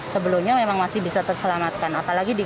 sebelumnya memang masih bisa terselamatkan